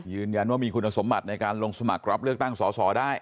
ยืนยันว่ามีคุณสมบัติในการลงสมัครรับเลือกตั้งสอสอได้